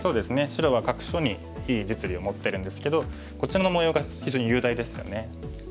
白は各所にいい実利を持ってるんですけどこちらの模様が非常に雄大ですよね。